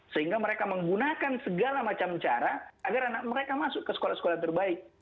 sehingga mereka menggunakan segala macam cara agar anak mereka masuk ke sekolah sekolah terbaik